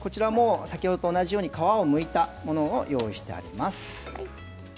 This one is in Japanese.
先ほどと同じように皮をむいたものを用意してあります。